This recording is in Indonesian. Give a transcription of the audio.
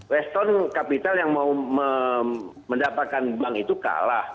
weston capital yang mau mendapatkan bank itu kalah